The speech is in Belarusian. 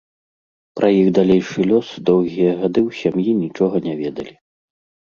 Пра іх далейшы лёс доўгія гады ў сям'і нічога не ведалі.